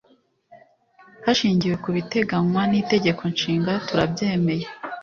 hashingiwe ku biteganywa n itegeko nshinga turabyemeye